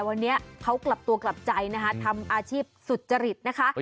วันนี้เขากลับตัวกลับใจนะคะทำอาชีพสุจริตนะคะ